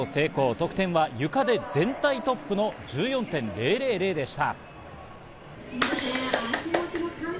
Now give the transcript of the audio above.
得点はゆかで全体トップの１４．０００でした。